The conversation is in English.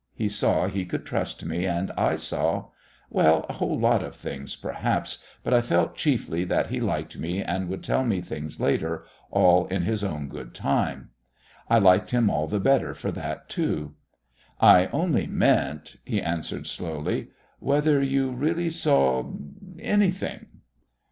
He saw he could trust me, and I saw well, a whole lot of things, perhaps, but I felt chiefly that he liked me and would tell me things later, all in his own good time. I liked him all the better for that too. "I only meant," he answered slowly, "whether you really saw anything?"